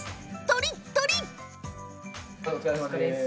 とりっとり！